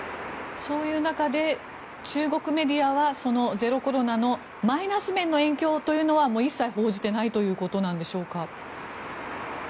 そういう中で中国メディアはそのゼロコロナのマイナス面の影響というのは一切報じていないということなんでしょうか。